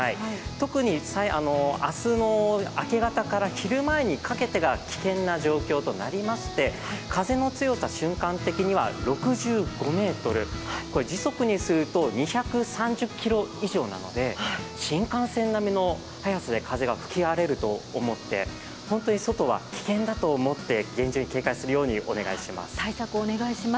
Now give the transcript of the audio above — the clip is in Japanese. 特に明日の明け方から昼前にかけてが危険な状況となりまして風の強さ、瞬間的には６５メートル、時速にすると２３０キロ以上なので新幹線並みの速さで風が吹き荒れると思って本当に外は危険だと思って厳重に警戒するようにお願いします。